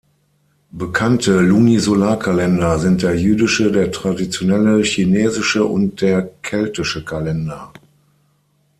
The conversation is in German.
Bekannte Lunisolarkalender sind der jüdische, der traditionelle chinesische und der keltische Kalender.